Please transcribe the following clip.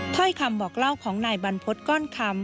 ถ้อยคำบอกเล่าของนายบรรพฤษก้อนคำ